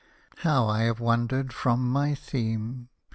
• How I have wandered from my theme